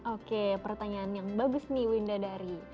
oke pertanyaan yang bagus nih winda dari